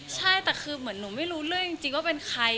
ใช่แต่คือเหมือนหนูไม่รู้เรื่องจริงว่าเป็นใคร